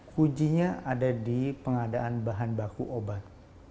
kujinya ada di pengadaan bahan baku obat